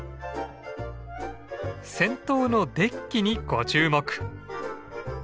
先頭のデッキにご注目！